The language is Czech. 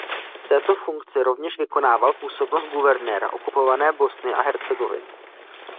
V této funkci rovněž vykonával působnost guvernéra okupované Bosny a Hercegoviny.